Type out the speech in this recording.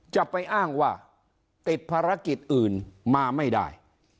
จะไปอ้างว่าติดภารกิจอื่นมาไม่ได้